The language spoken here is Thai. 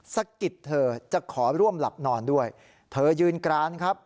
สะกิดเธอจะขอร่วมหลับนอนด้วยเธอยืนกรานครับ